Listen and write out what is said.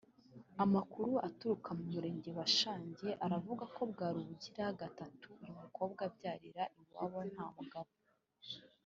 Amakuru aturuka mu murenge wa Shangi aravuga ko bwari ubugira gatatu uyu mukobwa abyarira iwabo nta mugabo